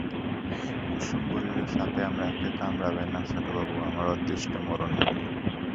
কুসুম বলিল, সাপে আমাকে কামড়াবে না ছোটবাবু, আমার অদৃষ্ট মরণ নেই।